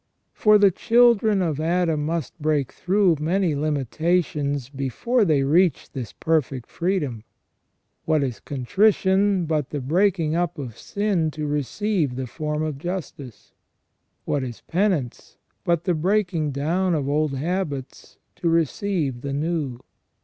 For the children of Adam must break through many limitations before they reach this perfect freedom. What is contrition but the breaking up of sin to receive the form of justice ? What is penance but the breaking down of old habits to receive the new